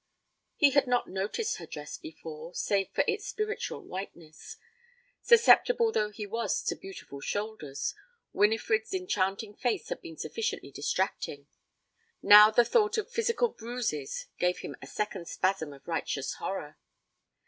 He had not noticed her dress before, save for its spiritual whiteness. Susceptible though he was to beautiful shoulders, Winifred's enchanting face had been sufficiently distracting. Now the thought of physical bruises gave him a second spasm of righteous horror.